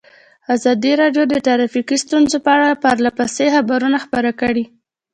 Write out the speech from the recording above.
ازادي راډیو د ټرافیکي ستونزې په اړه پرله پسې خبرونه خپاره کړي.